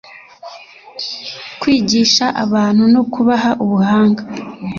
kwigisha abantu no kubaha ubuhanga